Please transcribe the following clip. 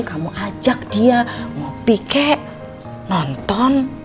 kamu ajak dia mau pikir